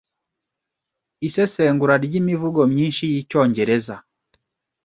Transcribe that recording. Isesengura ryimivugo myinshi yicyongereza